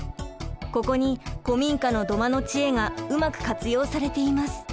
ここに古民家の土間の知恵がうまく活用されています。